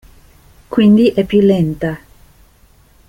Quindi è più "lenta".